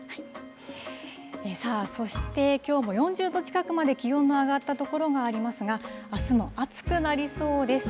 さあそして、きょうも４０度近くまで気温の上がった所がありますが、あすも暑くなりそうです。